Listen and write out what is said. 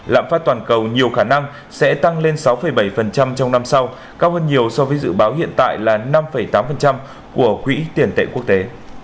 lạm phát toàn cầu nhiều khả năng sẽ tăng lên sáu bảy trong năm sau cao hơn nhiều so với dự báo hiện tại là năm tám của quỹ tiền tệ quốc tế